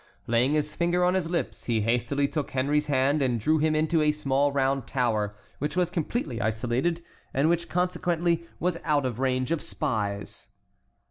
Laying his finger on his lips, he hastily took Henry's hand and drew him into a small round tower which was completely isolated, and which consequently was out of range of spies.